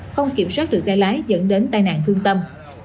không kiểm soát được cái lái dẫn đến tai nạn thương tâm